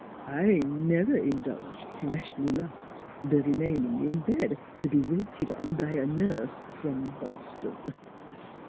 / never indulged fleshly lusts b' remainin' in bed t' be waited on by a nurse from Bos ton."